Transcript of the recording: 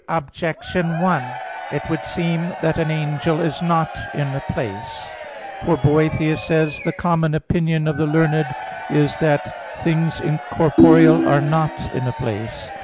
Objection 1: It would seem that an angel is not in a place. For Boethius says (De Hebdom.): "The common opinion of the learned is that things incorporeal are not in a place."